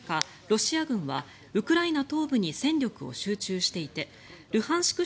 ロシア軍はウクライナ東部に戦力を集中していてルハンシク